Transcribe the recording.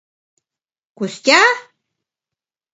— Костя?!.